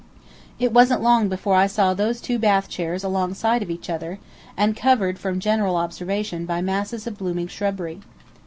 It wasn't long before I saw those two bath chairs alongside of each other, and covered from general observation by masses of blooming shrubbery.